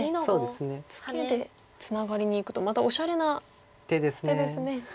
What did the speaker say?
ツケでツナがりにいくとまたおしゃれな手ですね。